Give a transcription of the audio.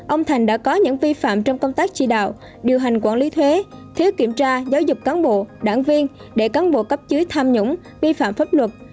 ông thành đã có những vi phạm trong công tác chi đạo điều hành quản lý thuế thiếu kiểm tra giáo dục cán bộ đảng viên để cán bộ cấp dưới tham nhũng vi phạm pháp luật